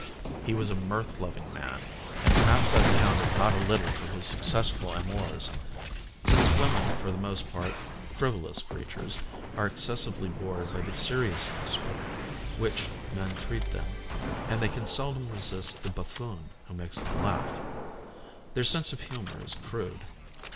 He was a mirth loving man, and perhaps that accounted not a little for his successful amours; since women, for the most part frivolous creatures, are excessively bored by the seriousness with which men treat them, and they can seldom resist the buffoon who makes them laugh. Their sense of humour is crude.